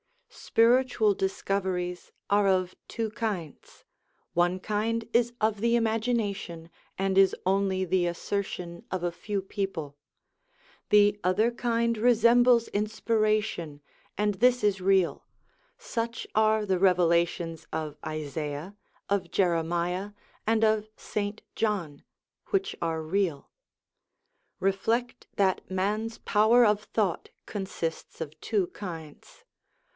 Spiritual discoveries are of two kinds : one kind is of the imagination, and is only the assertion of a few people ; the other kind resembles inspiration, and this is real such are the revelations of Isaiah, of Jeremiah, and of St. John, which are real. Reflect that man's power of thought consists of two kinds.